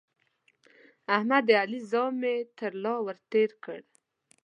احمد د علي زامې تر له ور تېرې کړې.